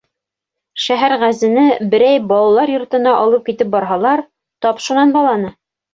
Шәһәрғәзене берәй балалар йортона алып китеп барһалар, тап шунан баланы.